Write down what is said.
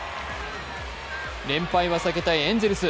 連敗は避けたいエンゼルス。